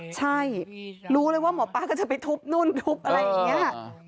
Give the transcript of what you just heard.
ใช่รู้เลยว่าหมอป้าก็จะไปทุบนู่นทุบอะไรอย่างนี้